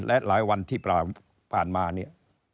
และหลายวันที่ผ่านมาเนี่ย